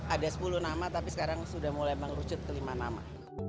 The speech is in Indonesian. ada sepuluh nama tapi sekarang sudah mulai mengerucut ke lima nama